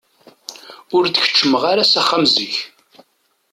Ur d-keččmeɣ ara s axxam zik.